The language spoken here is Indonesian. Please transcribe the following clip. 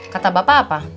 kata bapak apa